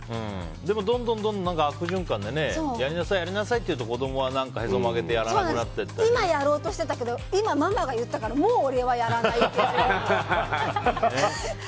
でもどんどん悪循環でやりなさいって言うと子供はへそ曲げてやらなくなったり今やろうとしてたけど今、ママが言ったからもう俺はやらないって。